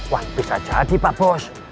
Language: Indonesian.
wah bisa jadi pak bos